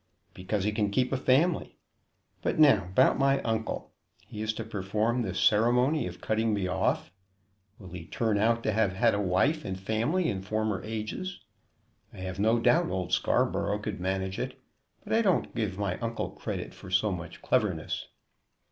"Because he can keep a family. But now about my uncle. He is to perform this ceremony of cutting me off. Will he turn out to have had a wife and family in former ages? I have no doubt old Scarborough could manage it, but I don't give my uncle credit for so much cleverness."